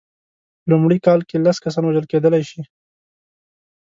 په لومړۍ کال کې لس کسان وژل کېدلای شي.